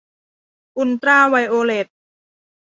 อุลตร้าไวโอเลต